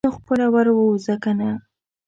نو خپله ور ووځه کنه.